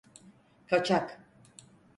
Kaçak.